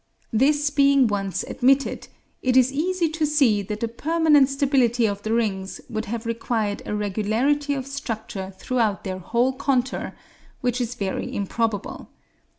This being once admitted, it is easy to see that the permanent stability of the rings would have required a regularity of structure throughout their whole contour, which is very improbable.